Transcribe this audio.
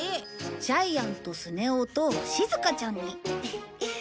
ジャイアンとスネ夫としずかちゃんに。